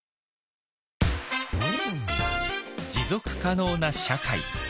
持続可能な社会